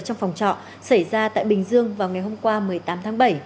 trong phòng trọ xảy ra tại bình dương vào ngày hôm qua một mươi tám tháng bảy